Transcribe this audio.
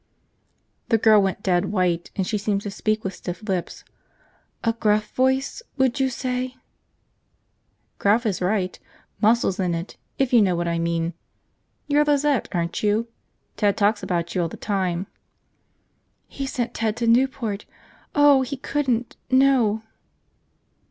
The girl went dead white and she seemed to speak with stiff lips. "A gruff voice, would you say?" "Gruff is right. Muscles in it, if you know what I mean. You're Lizette, aren't you? Ted talks about you all the time." "He sent Ted to Newport! Oh, he couldn't ... no. .